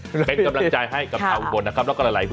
เป็นกำลังใจให้กับสาวอุบลนะครับ